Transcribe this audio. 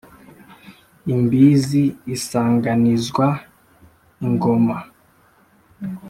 Imbizi isanganizwa ingoma,